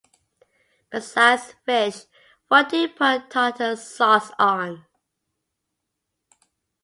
Besides fish, what do you put tartar sauce on?